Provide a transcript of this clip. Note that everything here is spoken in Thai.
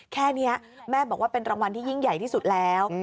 แค่นี้แม่บอกว่าเป็นรางวัลที่ยิ่งใหญ่ที่สุดแล้ว